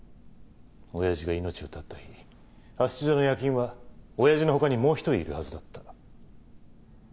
親父が命を絶った日派出所の夜勤は親父の他にもう一人いるはずだった。